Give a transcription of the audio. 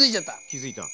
気付いた。